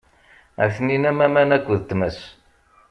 Atenin am aman akked tmes.